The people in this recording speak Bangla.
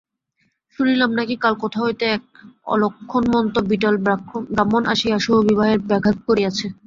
শুনিলাম নাকি কাল কোথা হইতে এক অলক্ষণমন্ত বিটল ব্রাহ্মণ আসিয়া শুভবিবাহের ব্যাঘাত করিয়াছে।